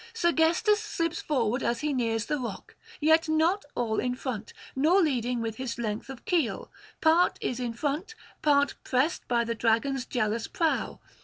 Sergestus slips forward as he nears the rock, yet not all in front, nor leading with his length of keel; part is in front, part pressed by the Dragon's jealous prow.